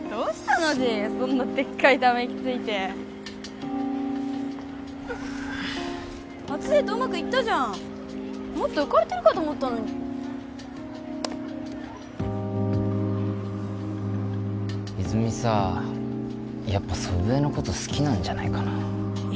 ノジそんなでっかいため息ついて初デートうまくいったじゃんもっと浮かれてるかと思ったのに泉さやっぱ祖父江のこと好きなんじゃないかな？